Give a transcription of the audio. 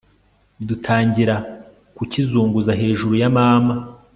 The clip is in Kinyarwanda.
dutangira kukizunguza hejuru ya mama